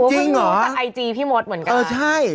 ช่างจากไอจีพี่โมดเหมือนกัน